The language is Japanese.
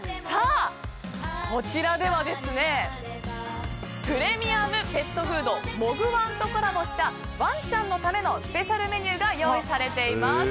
こちらではプレミアムペットフードモグワンとコラボしたワンちゃんのためのスペシャルメニューが用意されています。